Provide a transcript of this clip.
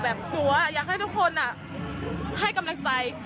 กลัวอยากให้ทุกคนให้กำลังใจ